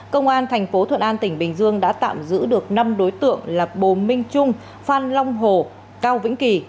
công an thành phố thuận an tỉnh bình dương đã tạm giữ được năm đối tượng là bồ minh trung phan long hồ cao vĩnh kỳ